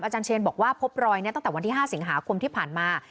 เชนบอกว่าพบรอยตั้งแต่วันที่๕สิงหาคมที่ผ่านมา